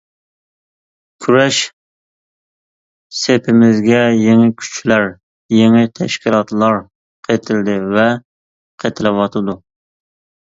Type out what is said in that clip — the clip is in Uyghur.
كۈرەش سېپىمىزگە يېڭى كۈچلەر، يېڭى تەشكىلاتلار قېتىلدى ۋە قېتىلىۋاتىدۇ.